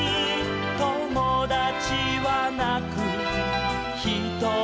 「ともだちはなくひとりぽっち」